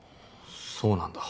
そうなんだ。